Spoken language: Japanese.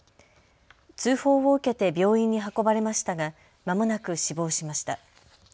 通報を受けて病院に運ばれましたがまもなく死亡しました。